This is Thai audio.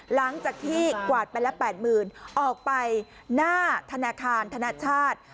หลังจากที่กวาดไปละ๘๐๐๐ออกไปหน้าธนาคารธนชาติ